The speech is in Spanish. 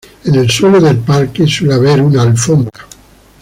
En el suelo del parque suele haber una alfombra.